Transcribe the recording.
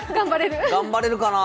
頑張れるかな？